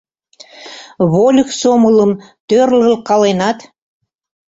Вольык сомылым тӧрлылкаленат...